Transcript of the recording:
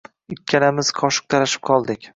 Ikkalamiz qoshiq talashib qoldik.